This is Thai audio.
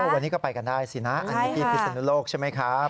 วันนี้ก็ไปกันได้สินะอันนี้ที่พิศนุโลกใช่ไหมครับ